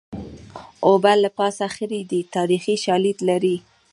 اوبه له پاسه خړې دي تاریخي شالید لري